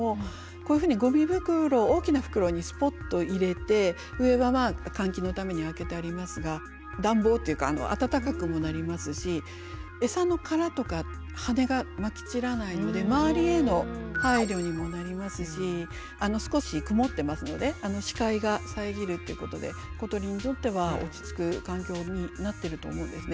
こういうふうにゴミ袋大きな袋にすぽっと入れて上は換気のために開けてありますが暖房っていうか暖かくもなりますし餌の殻とか羽根がまきちらないので周りへの配慮にもなりますし少し曇ってますので視界が遮るっていうことで小鳥にとっては落ち着く環境になってると思うんですね。